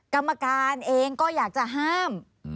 กรรมการเองก็อยากจะห้าม